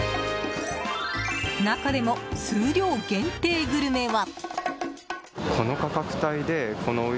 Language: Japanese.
中でも数量限定グルメは。